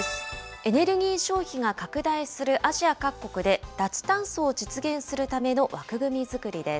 エネルギー消費が拡大するアジア各国で、脱炭素を実現するための枠組み作りです。